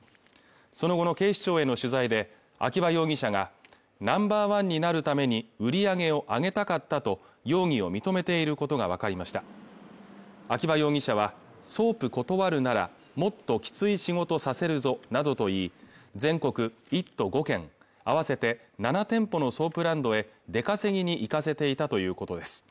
その後の警視庁への取材で秋葉容疑者がナンバーワンになるために売り上げを上げたかったと容疑を認めていることが分かりました秋葉容疑者はソープ断るならもっときつい仕事させるぞなどといい全国１都５県合わせて７店舗のソープランドへ出稼ぎに行かせていたということです